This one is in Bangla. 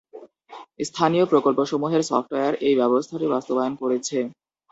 স্থানীয় প্রকল্পসমূহের সফটওয়্যার এই ব্যবস্থাটি বাস্তবায়ন করেছে।